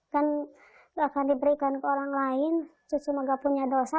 kan gak akan diberikan ke orang lain cucu maga punya dosa